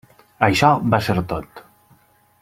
Això va ser tot.